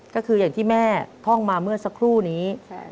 ก็คืออย่างที่แม่ท่องมาเมื่อสักครู่นี้